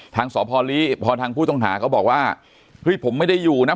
ทางสอบพอลีพอทางผู้ต้องหาเขาบอกว่าคือผมไม่ได้อยู่นะ